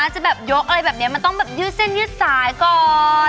จะแบบยกอะไรแบบนี้มันต้องแบบยืดเส้นยืดสายก่อน